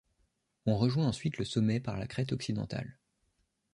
On rejoint ensuite le sommet par la crête occidentale.